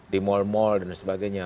di mall mall dan sebagainya